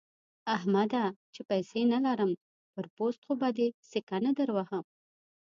احمده! چې پيسې نه لرم؛ پر پوست خو به سکه نه دروهم.